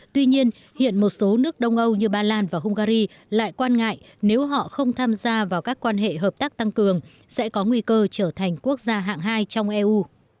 tuy nhiên hiện một số nước đông âu như ba lan và hungary lại quan ngại nếu họ không tham gia vào các quan hệ hợp tác tăng cường sẽ có nguy cơ trở thành quốc gia hạng hai trong eu